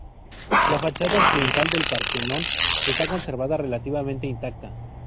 La fachada occidental del Partenón está conservada relativamente intacta.